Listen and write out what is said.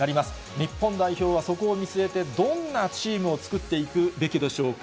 日本代表はそこを見据えて、どんなチームを作っていくべきでしょうか。